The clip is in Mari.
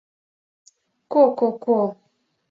— Ко-ко-ко!..